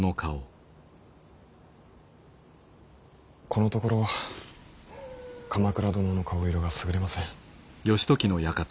このところ鎌倉殿の顔色がすぐれません。